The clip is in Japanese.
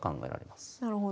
なるほど。